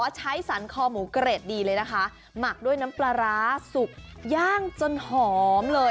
ใช้สันคอหมูเกรดดีเลยนะคะหมักด้วยน้ำปลาร้าสุกย่างจนหอมเลย